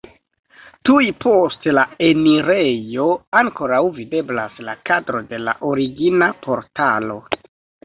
Tuj post la enirejo ankoraŭ videblas la kadro de la origina portalo.